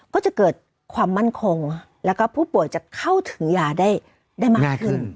ก็จะเกิดความมั่นคงแล้วก็ผู้ป่วยจะเข้าถึงยาได้มากขึ้น